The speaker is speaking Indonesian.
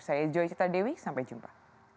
saya joy citadewi sampai jumpa